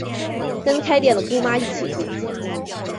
跟开店的姑妈一起住